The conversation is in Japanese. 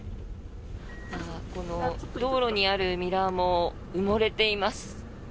この道路にあるミラーも埋もれています。